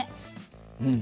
うん。